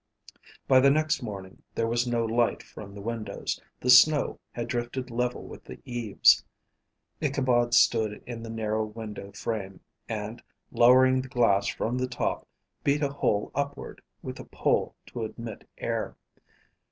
By the next morning there was no light from the windows. The snow had drifted level with the eaves. Ichabod stood in the narrow window frame, and, lowering the glass from the top, beat a hole upward with a pole to admit air.